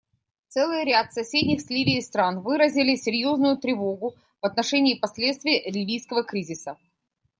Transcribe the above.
Целый ряд соседних с Ливией стран выразили серьезную тревогу в отношении последствий ливийского кризиса.